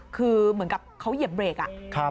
คือเหมือนกับเขาเหยียบเบรกอะ